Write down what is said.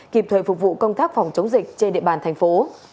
kịp thời phục vụ công tác phòng chống dịch trên địa bàn thành phố